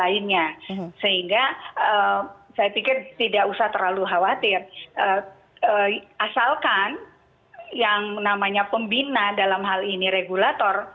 analisis warna merah di bulan